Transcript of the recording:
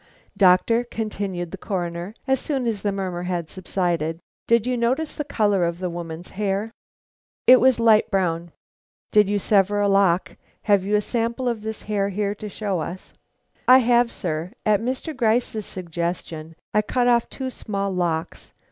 "Doctor," continued the Coroner, as soon as the murmur had subsided, "did you notice the color of the woman's hair?" "It was a light brown." "Did you sever a lock? Have you a sample of this hair here to show us?" "I have, sir. At Mr. Gryce's suggestion I cut off two small locks.